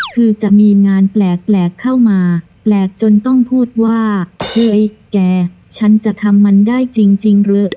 คือจะมีงานแปลกเข้ามาแปลกจนต้องพูดว่าเฮ้ยแกฉันจะทำมันได้จริงเหรอ